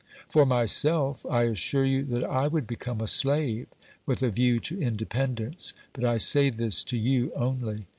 For myself, I assure you that I would become a slave with a view to independence, but I say this to you only.